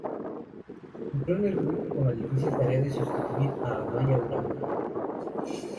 Entró en el grupo con la difícil tarea de sustituir a Amaya Uranga.